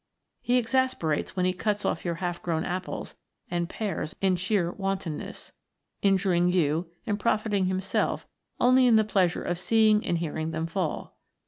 He exasperates when he cuts off your half grown apples and pears in sheer wantonness, injuring you and profiting himself only in the pleasure of seeing and hearing them fall.